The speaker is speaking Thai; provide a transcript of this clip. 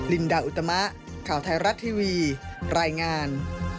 ลินดาอุตมะข่าวไทยรัฐทีวีรายงาน